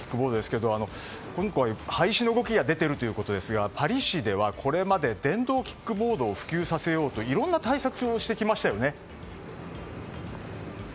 けれどお廃止の動きが出ているということですがパリ市ではこれまで電動キックボードを普及させようといろんな対策をしてきましたよね。